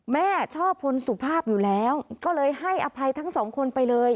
แม่ชอบพลสุภาพอยู่แล้วก็เลยให้อภัยทั้งสองคนไปเลย